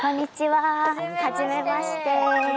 はじめまして。